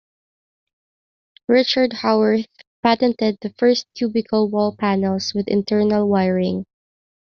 Richard Haworth patented the first cubicle wall panels with internal wiring.